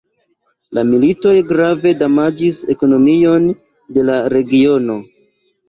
La militoj grave damaĝis ekonomion de la regiono.